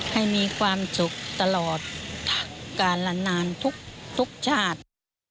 ให้มีความสุขตลอดการละนานทุกชาติ